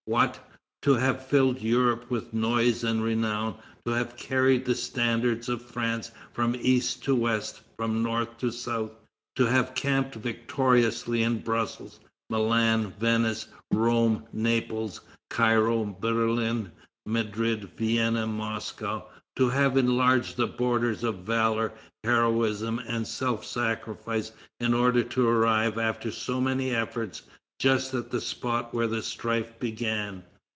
What! to have filled Europe with noise and renown; to have carried the standards of France from east to west, from north to south; to have camped victoriously in Brussels, Milan, Venice, Rome, Naples, Cairo, Berlin, Madrid, Vienna, Moscow; to have enlarged the borders of valor, heroism, and self sacrifice in order to arrive, after so many efforts, just at the spot where the strife began?